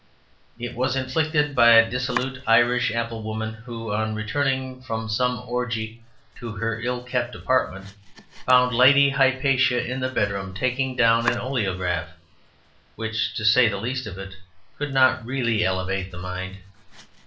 It was inflicted by a dissolute Irish apple woman, who, on returning from some orgy to her ill kept apartment, found Lady Hypatia in the bedroom taking down an oleograph, which, to say the least of it, could not really elevate the mind.